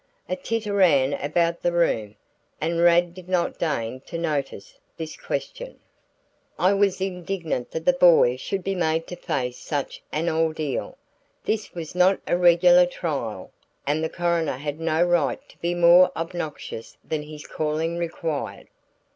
A titter ran about the room, and Rad did not deign to notice this question. I was indignant that the boy should be made to face such an ordeal. This was not a regular trial and the coroner had no right to be more obnoxious than his calling required.